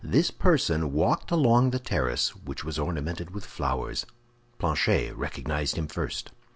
This person walked along the terrace, which was ornamented with flowers. Planchet recognized him first.